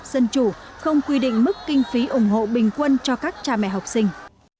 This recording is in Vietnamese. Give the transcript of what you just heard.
dân chủ không quy định mức kinh phí ủng hộ bình quân cho các cha mẹ học sinh